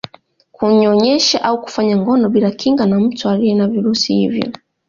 kunyonyesha au kufanya ngono bila kinga na mtu aliye na virusi hivyo